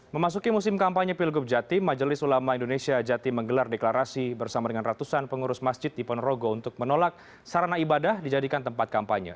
memasuki musim kampanye pilgub jatim majelis ulama indonesia jatim menggelar deklarasi bersama dengan ratusan pengurus masjid di ponorogo untuk menolak sarana ibadah dijadikan tempat kampanye